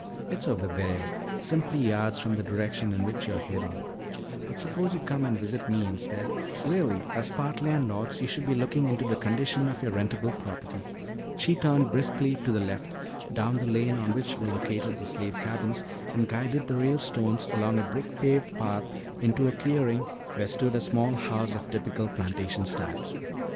"It's over there, simply yards from the direction in which you're heading. But suppose you come and visit me instead. Really, as part landlords, you should be looking into the condition of your rentable property." She turned briskly to the left down the lane on which were located the slave cabins and guided the Ralestones along a brick paved path into a clearing where stood a small house of typical plantation style.